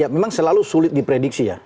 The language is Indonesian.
memang selalu sulit diprediksi